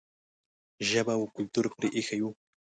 ژبه او کلتور پرې ایښی و.